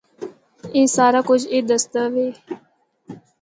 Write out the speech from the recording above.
اے سارا کجھ اے دسدا وے۔